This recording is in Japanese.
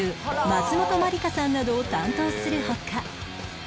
松本まりかさんなどを担当する他